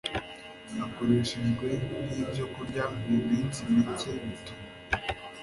akoreshejwe nk’ibyokurya mu minsi mike bituma